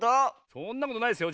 そんなことないですよ。